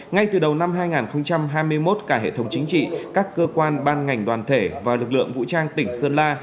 ngay từ đầu năm hai nghìn hai mươi một cả hệ thống chính trị các cơ quan ban ngành đoàn thể và lực lượng vũ trang tỉnh sơn la